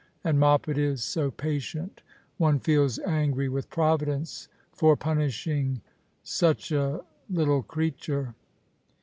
And Moppet is so patient ! One feels angry with Providence— for punishing — such a— little creature."